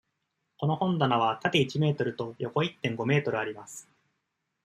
この本棚は縦一メートルと横一．五メートルあります。